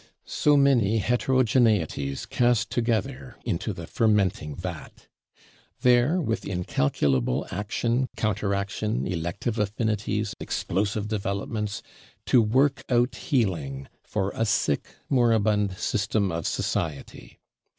So many heterogeneities cast together into the fermenting vat; there, with incalculable action, counteraction, elective affinities, explosive developments, to work out healing for a sick, Moribund System of Society!